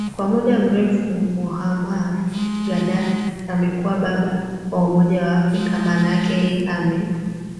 kwa muda mrefu mohamar gaddaffi amekuwa baba wa umoja wa afrika maanake yeye ame